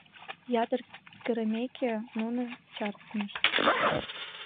Ятыр кырымеке, нуно чарнышт.